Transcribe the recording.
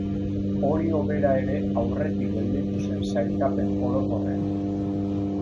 Orio bera ere aurretik gelditu zen sailkapen orokorrean.